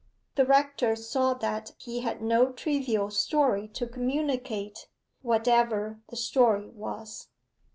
The rector saw that he had no trivial story to communicate, whatever the story was.